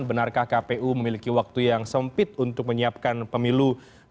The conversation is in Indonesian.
benarkah kpu memiliki waktu yang sempit untuk menyiapkan pemilu dua ribu dua puluh